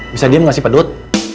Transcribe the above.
bisa diem gak sih pak dud